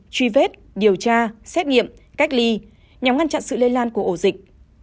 truy vết điều tra xét nghiệm cách ly nhằm ngăn chặn sự lây lan của ổ dịch